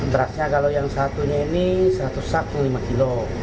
berasnya kalau yang satunya ini seratus sak lima kilo